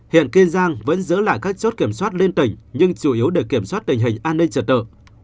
hiện kiên giang vẫn giữ lại các chốt kiểm soát liên tỉnh nhưng chủ yếu để kiểm soát tình hình an ninh trật tự